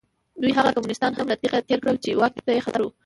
دوی هغه کمونېستان هم له تېغه تېر کړل چې واک ته یې خطر و.